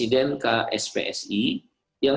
maka akan muncul ketidakadilan